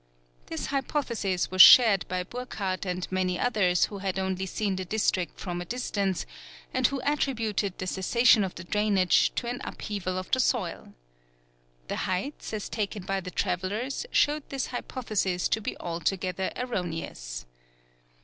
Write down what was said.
This hypothesis was shared by Burckhardt and many others who had only seen the district from a distance, and who attributed the cessation of the drainage to an upheaval of the soil. The heights, as taken by the travellers, showed this hypothesis to be altogether erroneous.